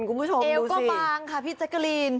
เอวก็บางค่ะพี่แจ๊กกะลีน